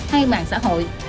hay mạng xã hội